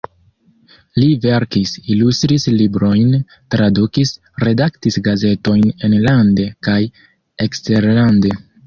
Li verkis, ilustris librojn, tradukis, redaktis gazetojn enlande kaj eksterlande.